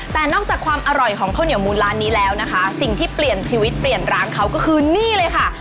แต่นอกจากความอร่อยของข้าวเหนียวมูลร้านนี้แล้วนะคะสิ่งที่เปลี่ยนชีวิตเปลี่ยนร้านเขาก็คือนี่เลยค่ะ